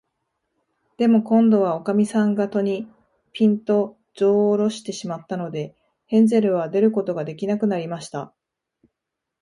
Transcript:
でも、こんどは、おかみさんが戸に、ぴんと、じょうをおろしてしまったので、ヘンゼルは出ることができなくなりました。